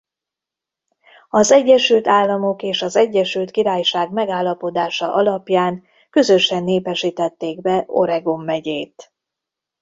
Az Egyesült Államok és az Egyesült Királyság megállapodása alapján közösen népesítették be Oregon megyét.